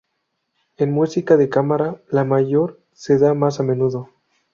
En música de cámara, La mayor se da más a menudo.